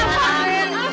pak saya kepalanya cepat